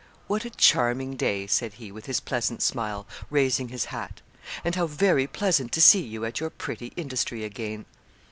'What a charming day,' said he, with his pleasant smile, raising his hat, 'and how very pleasant to see you at your pretty industry again.'